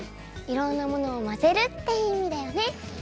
いろんなものをまぜるっていういみだよね。